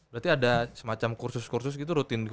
berarti ada semacam kursus kursus rutin gitu